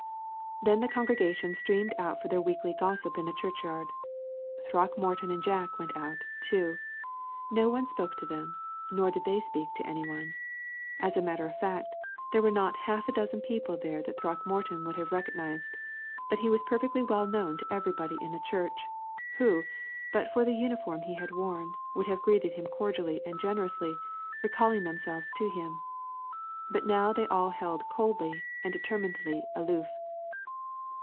Then the congregation streamed out for their weekly gossip in the churchyard. Throckmorton and Jack went out, too. No one spoke to them, nor did they speak to any one. As a matter of fact, there were not half a dozen people there that Throckmorton would have recognized; but he was perfectly well known to everybody in the church, who, but for the uniform he had worn, would have greeted him cordially and generously, recalling themselves to him. But now they all held coldly and determinedly aloof.